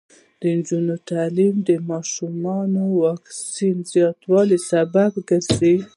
د نجونو تعلیم د ماشومانو واکسین زیاتولو سبب دی.